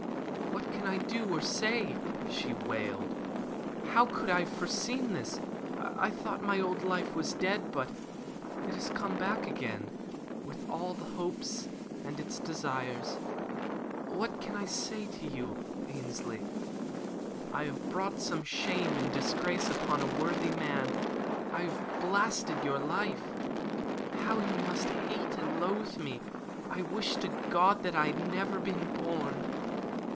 "What can I do or say?" she wailed. "How could I have foreseen this? I thought my old life was dead. But it has come back again, with all its hopes and its desires. What can I say to you, Ainslie? I have brought shame and disgrace upon a worthy man. I have blasted your life. How you must hate and loathe me! I wish to God that I had never been born!"